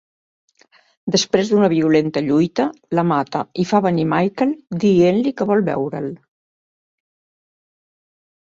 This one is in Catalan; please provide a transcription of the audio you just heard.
Després d'una violenta lluita, la mata i fa venir Michael dient-li que vol veure'l.